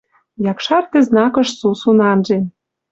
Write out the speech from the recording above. Якшар тӹ знакыш сусун анжен